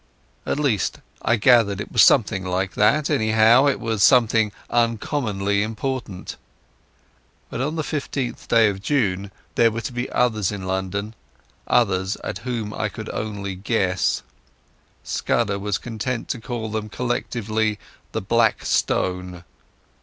At least I gathered it was something like that; anyhow, it was something uncommonly important. But on the 15th day of June there were to be others in London—others, at whom I could only guess. Scudder was content to call them collectively the "Black Stone".